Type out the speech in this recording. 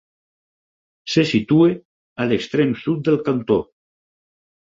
Se situa a l'extrem sud del cantó.